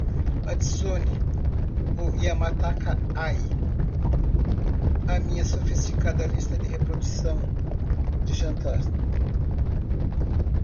adicione o Yamataka Eye à minha sofisticada lista de reprodução de jantar